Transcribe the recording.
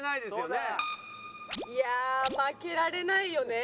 いやあ負けられないよね。